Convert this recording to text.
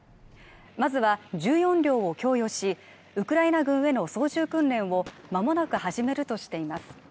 まずは１４両を供与しウクライナ軍への操縦訓練をまもなく始めるとしています